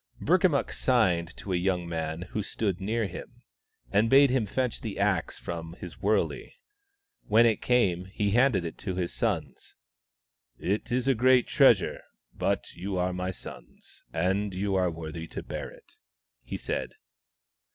Burkamukk signed to a young man who stood THE STONE AXE OF BURKAMUKK 23 near him, and bade him fetch the axe from his wurley. When it came, he handed it to his sons. " It is a great treasure, but you are my sons, and you are worthy to bear it," he said.